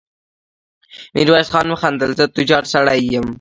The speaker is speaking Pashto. ميرويس خان وخندل: زه تجار سړی يم.